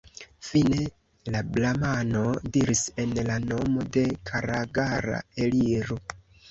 Fine la bramano diris: « En la nomo de Karagara, eliru!